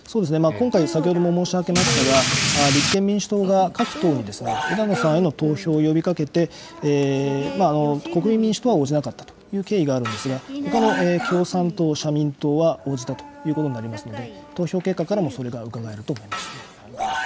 今回、先ほども申し上げましたが、立憲民主党が各党に枝野さんへの投票を呼びかけて、国民民主党は応じなかったという経緯があるんですが、ほかの共産党、社民党は応じたということになりますので、投票結果からもそ